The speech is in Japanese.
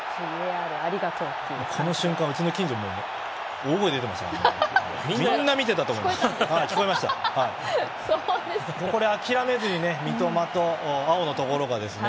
この瞬間うちの近所大声が出てましたからね。